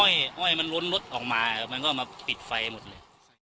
อ้อยมันล้นรถออกมามันก็มาปิดไฟหมดเลย